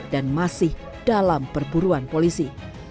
dan masih dalam perburuan polisi